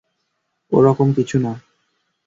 ওরকম কিছু না।